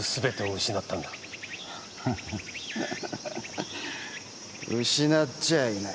失っちゃいない。